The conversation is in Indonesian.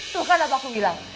tuh kan apa aku bilang